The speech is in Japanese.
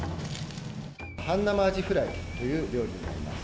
半生アジフライという料理になります。